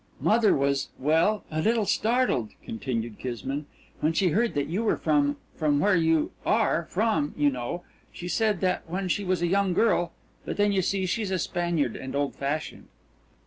"Mother was well, a little startled," continued Kismine, "when she heard that you were from from where you are from, you know. She said that when she was a young girl but then, you see, she's a Spaniard and old fashioned."